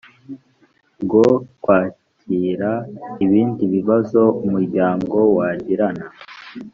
bwo kwakira ibindi bibazo umuryango wagirana